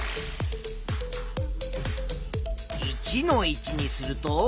２の位置にすると。